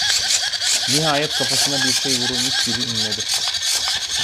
Nihayet kafasına bir şey vurulmuş gibi inledi.